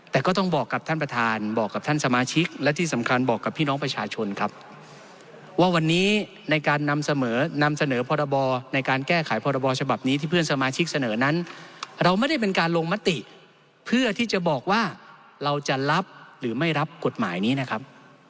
แต่ก็ต้องบอกกับท่านประธานบอกกับท่านสมาชิกและที่สำคัญบอกกับพี่น้องประชาชนครับว่าวันนี้ในการนำเสนอนำเสนอพรบในการแก้ไขพรบฉบับนี้ที่เพื่อนสมาชิกเสนอนั้นเราไม่ได้เป็นการลงมติเพื่อที่จะบอกว่าเราจะรับหรือไม่รับกฎหมายนี้นะครับ